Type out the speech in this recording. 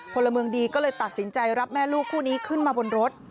พลเมืองดีก็เลยตัดสินใจรับแม่ลูกคู่นี้ขึ้นมาบนรถ